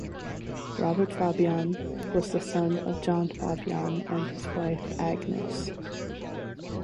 Robert Fabyan was the son of John Fabyan and his wife, Agnes.